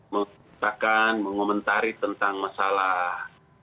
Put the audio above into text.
memutakan mengomentari tentang masalah